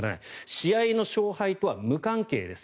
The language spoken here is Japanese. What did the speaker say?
試合の勝敗とは無関係です。